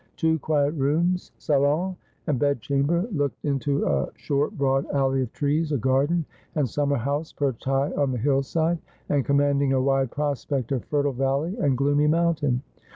Two quiet rooms, salon and bed chamber, looked into a short broad alley of trees, a garden, and summer house perched high on the hill side, and commanding a wide prospect of fertile valley and gloomy mountain.